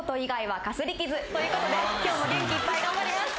今日も元気いっぱい頑張ります。